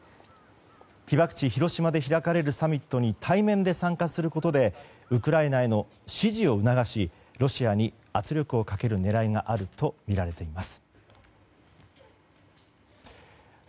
被爆地・広島で開かれるサミットに対面で参加することでウクライナへの支持を促しロシアに圧力をかける狙いがあるとみられています。